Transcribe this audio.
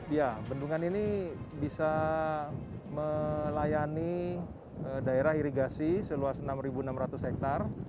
ya bendungan ini bisa melayani daerah irigasi seluas enam enam ratus hektare